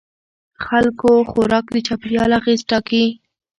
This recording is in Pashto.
د خلکو خوراک د چاپیریال اغېز ټاکي.